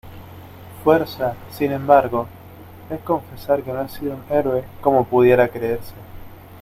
fuerza, sin embargo , es confesar que no he sido un héroe , como pudiera creerse.